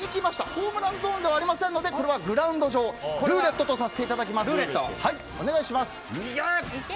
ホームランゾーンではありませんので、グラウンド上ルーレットとさせていただきます。